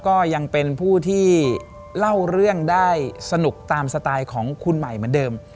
ก็ยังเป็นผู้ที่เล่าเรื่องได้สนุกตามสไตล์ของคุณใหม่เหมือนเดิม